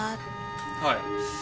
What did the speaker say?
はい。